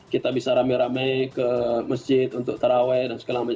kita bisa rame rame ke masjid untuk taraweh dan segala macam